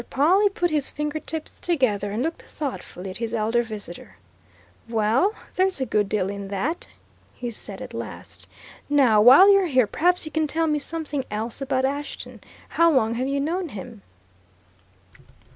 Pawle put his finger tips together and looked thoughtfully at his elder visitor. "Well, there's a good deal in that," he said at last. "Now, while you're here, perhaps you can tell me something else about Ashton. How long have you known him?"